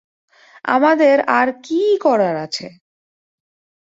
আমাদের আর কী করার আছে?